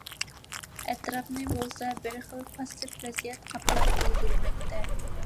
ئەتراپنى بولسا بىرخىل پاسسىپ ۋەزىيەت قاپلاپ ئۈلگۈرمەكتە.